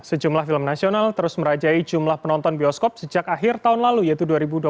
sejumlah film nasional terus merajai jumlah penonton bioskop sejak akhir tahun lalu yaitu dua ribu dua puluh satu